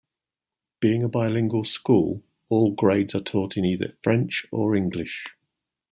Being a bilingual school, all grades are taught in either French or English.